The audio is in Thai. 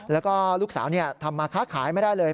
แล้วก็ลูกสาวทำมาค้าขายไม่ได้เลย